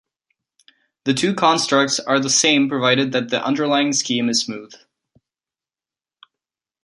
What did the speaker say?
The two constructs are the same provided that the underlying scheme is smooth.